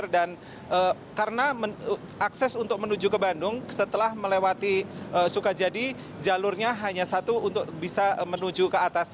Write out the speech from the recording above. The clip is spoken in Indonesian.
dan karena akses untuk menuju ke bandung setelah melewati sukajadi jalurnya hanya satu untuk bisa menuju ke atas